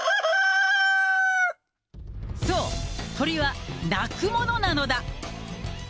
そう、鳥は鳴くものなのだ。